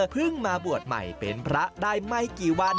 เพิ่งมาบวชใหม่เป็นพระได้ไม่กี่วัน